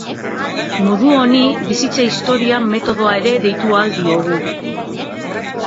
Modu honi bizitza-historia metodoa ere deitu ahal diogu.